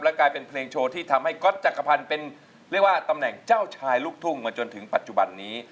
กลายเป็นเพลงโชว์ที่ทำให้ก๊อตจักรพันธ์เป็นเรียกว่าตำแหน่งเจ้าชายลูกทุ่งมาจนถึงปัจจุบันนี้